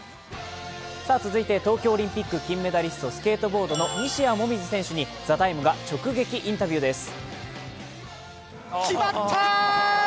続いて東京オリンピック金メダリストスケートボードの西矢椛選手に「ＴＨＥＴＩＭＥ，」が直撃インタビューです。